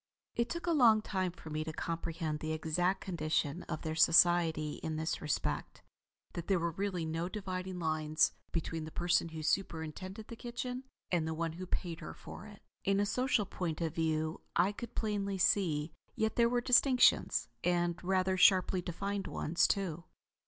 It took a long time for me to comprehend the exact condition of their society in this respect. That there were really no dividing lines between the person who superintended the kitchen and the one who paid her for it, in a social point of view, I could plainly see; yet there were distinctions; and rather sharply defined ones too.